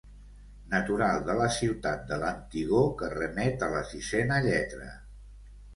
Natural de la ciutat de l'antigor que remet a la sisena lletra.